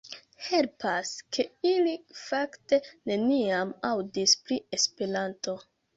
Helpas, ke ili fakte neniam aŭdis pri Esperanto.